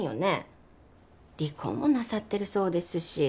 離婚もなさってるそうですし。